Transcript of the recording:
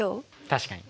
確かに。